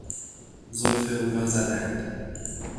زلف او را زدند.